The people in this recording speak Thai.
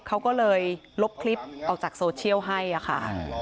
เขาก็เลยลบคลิปออกจากโซเชียลให้ค่ะ